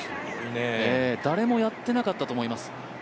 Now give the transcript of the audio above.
誰もやっていなかったと思います。